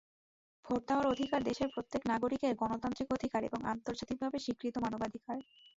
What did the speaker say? Vote দেওয়ার অধিকার দেশের প্রত্যেক নাগরিকের গণতান্ত্রিক অধিকার এবং আন্তর্জাতিকভাবে স্বীকৃত মানবাধিকার।